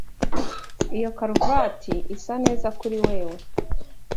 Iyo karuvati isa neza kuri wewe.